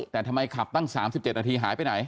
แต่ทำไมขับตั้ง๓๗นาทีหายไปไหน